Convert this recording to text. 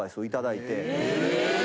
え！